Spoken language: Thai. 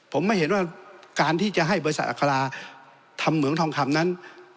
ผมไม่เห็นว่าการที่จะให้บริษัทอัคราทำเหมืองทองคำนั้น